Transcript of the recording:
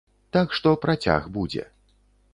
Так што працяг будзе.